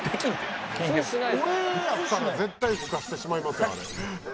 俺やったら絶対ふかしてしまいますよあれ。